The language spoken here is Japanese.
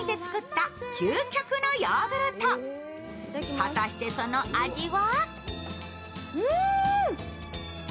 果たして、その味は？